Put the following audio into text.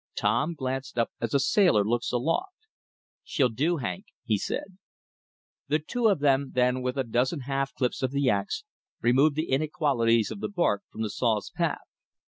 Tom glanced up as a sailor looks aloft. "She'll do, Hank," he said. The two then with a dozen half clips of the ax, removed the inequalities of the bark from the saw's path.